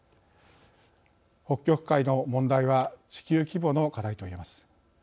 北極海の問題は地球規模の課題と言えます。